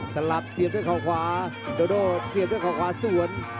สลับเสียบด้วยเขาขวาโดโดเสียบด้วยเขาขวาสวน